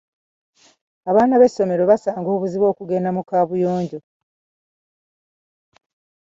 Abaana b'essomero basanga obuzibu mu kugenda mu kabuyonjo.